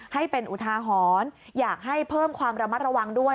ให้เป็นอุทาหรณ์อยากให้เพิ่มความระมัดระวังด้วย